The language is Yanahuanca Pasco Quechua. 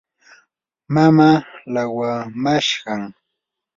mamaa laqyamashqam.